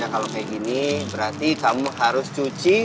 kalau kayak gini berarti kamu harus cuci